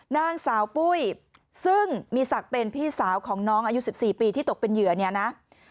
นางสาวปุ้ยซึ่งมีศักดิ์เป็นพี่สาวของน้องอายุ๑๔ปีที่ตกเป็นเหยื่อเนี่ยนะ